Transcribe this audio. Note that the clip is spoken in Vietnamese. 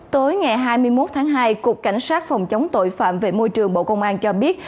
tối ngày hai mươi một tháng hai cục cảnh sát phòng chống tội phạm về môi trường bộ công an cho biết